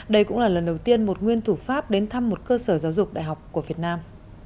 đây cũng là lần đầu tiên một nguyên thủ pháp đến thăm một cơ sở giáo dục đại học của việt nam